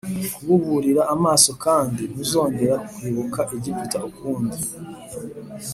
kububurira amaso kandi ntuzongera kwibuka Egiputa ukundi